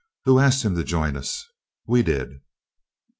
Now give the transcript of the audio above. Who asked him to join us? We did!"